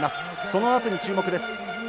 そのあとに注目です。